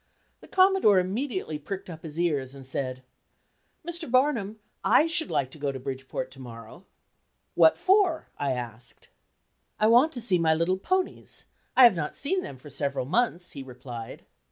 The Commodore immediately pricked up his ears, and said: "Mr. Barnum, I should like to go to Bridgeport to morrow." "What for?" I asked. "I want to see my little ponies; I have not seen them for several months," he replied.